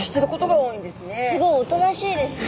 すごいおとなしいですね。